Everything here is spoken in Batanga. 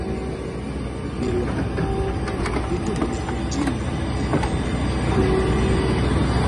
Belɔlɔ betombwidɛkwɛndi bɛhi-bɛhi na mihiba.